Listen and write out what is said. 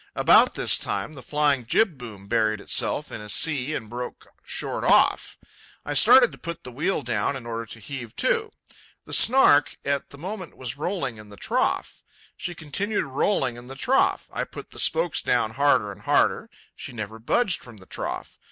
About this time the flying jib boom buried itself in a sea and broke short off. I started to put the wheel down in order to heave to. The Snark at the moment was rolling in the trough. She continued rolling in the trough. I put the spokes down harder and harder. She never budged from the trough.